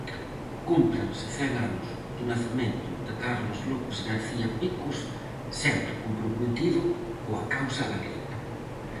Cúmprense cen anos do nacemento de Carlos López García-Picos sempre comprometido coa causa galega.